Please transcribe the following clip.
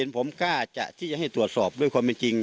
ผมกล้าจะที่จะให้ตรวจสอบด้วยความเป็นจริง